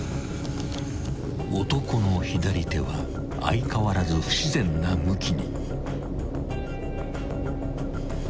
［男の左手は相変わらず不自然な向きに］